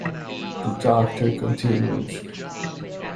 The Dr. continues.